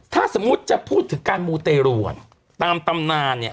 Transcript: ถ้าสมมุติจะพูดถึงการมูเตรวนตามตำนานเนี่ย